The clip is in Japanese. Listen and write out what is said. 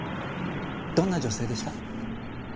どんな女性でした？